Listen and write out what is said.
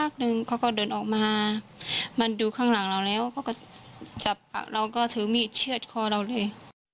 เขาก็เดินออกมามันดูข้างหลังแล้วเจ็บปากเราก็ถือมีดเชื่อดคอเราเลย